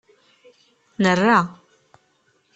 Nerra.